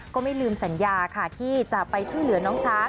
ก็ไม่ลืมสัญญาค่ะที่จะไปช่วยเหลือน้องช้าง